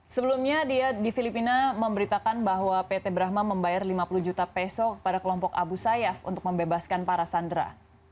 sebelumnya dia di filipina memberitakan bahwa pt brahma membayar lima puluh juta peso kepada kelompok abu sayyaf untuk membebaskan para sandera